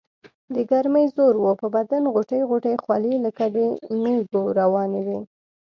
دګرمۍ زور وو پۀ بدن غوټۍ غوټۍ خولې لکه د مېږو روانې وي ـ